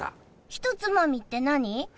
ひとつまみって何？